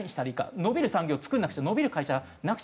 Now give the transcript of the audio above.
伸びる産業作らなくちゃ伸びる会社なくちゃ。